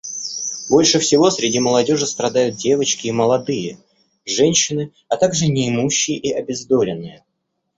Больше всего среди молодежи страдают девочки и молодые женщины, а также неимущие и обездоленные.